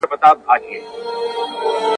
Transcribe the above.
دروازه د هر طبیب یې ټکوله ,